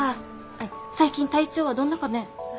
アイ最近体調はどんなかねぇ？